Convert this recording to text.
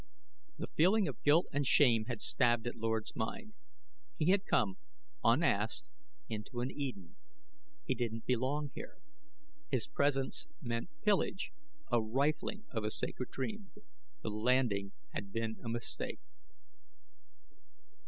The feeling of guilt and shame had stabbed at Lord's mind. He had come, unasked, into an Eden. He didn't belong here. His presence meant pillage, a rifling of a sacred dream. The landing had been a mistake.